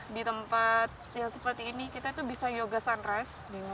di tempat yang seperti ini kita itu bisa yoga sunrise